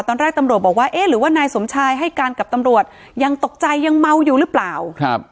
ตอนแรกตำรวจบอกว่าเอ๊ะหรือว่านายสมชายให้การกับตำรวจยังตกใจยังเมาอยู่หรือเปล่าครับ